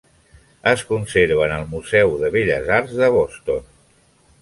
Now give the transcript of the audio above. Es conserva en el Museu de Belles arts de Boston.